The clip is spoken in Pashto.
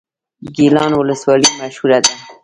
ګیلان ولسوالۍ مشهوره ده؟